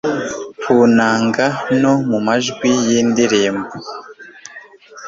ku nanga no mu majwi y'indirimbo